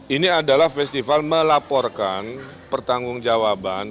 ini adalah festival melaporkan pertanggung jawaban